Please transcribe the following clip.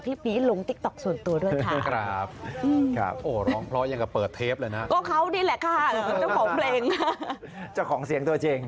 ฟังเผลอไป